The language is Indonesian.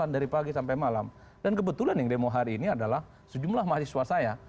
dan kebetulan yang demo hari ini adalah sejumlah mahasiswa saya